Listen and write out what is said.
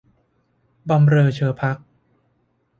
บำเรอเชอภักดิ์